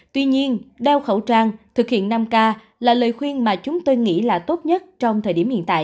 tuy nhiên đeo khẩu trang thực hiện năm k là lời khuyên mà chúng tôi nghĩ là tốt nhất trong thời điểm hiện tại